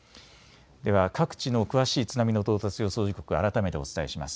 では各地の詳しい津波の到達予想時刻、改めてお伝えします。